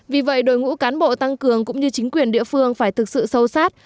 vì vậy đội ngũ cán bộ tăng cường cũng như chính quyền địa phương phải thực sự sâu sát